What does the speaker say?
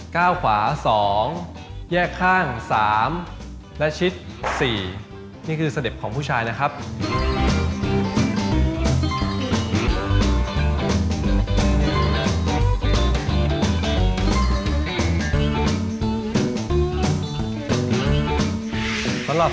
ขวา๒แยกข้าง๓และชิด๔นี่คือสเต็ปของผู้ชายนะครับ